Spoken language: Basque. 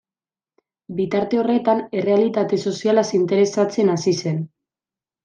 Bitarte horretan errealitate sozialaz interesatzen hasi zen.